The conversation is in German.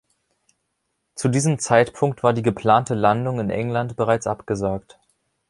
Zu diesem Zeitpunkt war die geplante Landung in England bereits abgesagt.